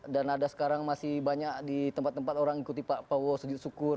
dan ada sekarang masih banyak di tempat tempat orang ikuti pak prabowo sujud syukur